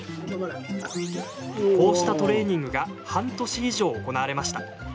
こうしたトレーニングが半年以上、行われました。